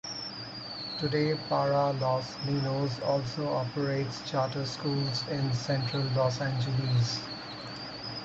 Today Para Los Ninos also operates charter schools in Central Los Angeles.